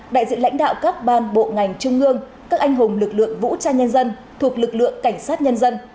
đại diện lãnh đạo các ban bộ ngành trung ương các anh hùng lực lượng vũ trang nhân dân thuộc lực lượng cảnh sát nhân dân